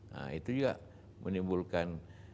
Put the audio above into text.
nah itu juga menimbulkan